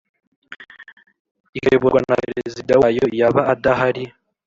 ikayoborwa na Perezida wayo yaba adahari